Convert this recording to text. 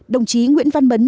đồng chí nguyễn văn mấn